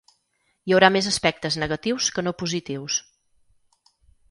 Hi haurà més aspectes negatius que no positius.